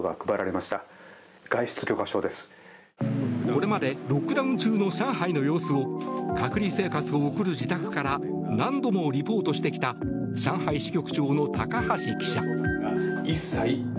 これまでロックダウン中の上海の様子を隔離生活を送る自宅から何度もリポートしてきた上海市局長の高橋記者。